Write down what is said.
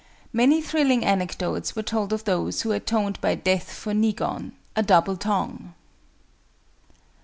Many thrilling anecdotes were told of those who atoned by death for ni gon, a double tongue.